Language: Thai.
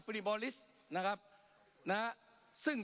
ปรับไปเท่าไหร่ทราบไหมครับ